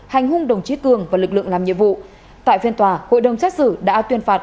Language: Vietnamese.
hành hung đồng chí cường và lực lượng làm nhiệm vụ tại phiên tòa hội đồng xét xử đã tuyên phạt